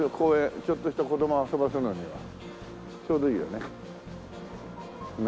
ちょっとした子供遊ばせるのにはちょうどいいよね。